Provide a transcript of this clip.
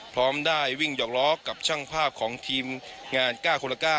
พร้อมได้วิ่งหอกล้อกับช่างภาพของทีมงาน๙คนละ๙